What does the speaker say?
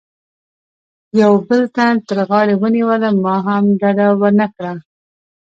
یوه بل تن تر غاړې ونیولم، ما هم ډډه و نه کړه.